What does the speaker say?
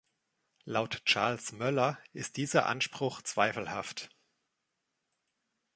Laut Charles Moeller ist „dieser Anspruch zweifelhaft“.